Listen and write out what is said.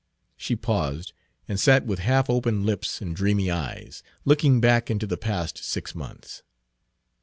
She paused, and sat with half opened lips and dreamy eyes, looking back into the past six months.